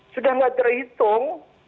sudah tidak terhitung